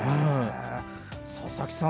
佐々木さん